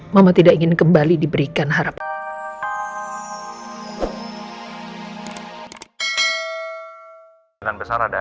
mama tidak ingin kembali diberikan harapan